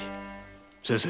先生。